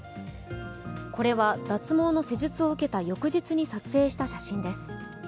これは脱毛の施術を受けた翌日に撮影した写真です。